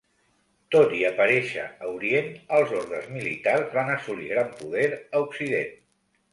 Tot i aparèixer a Orient els ordes militars van assolir gran poder a Occident.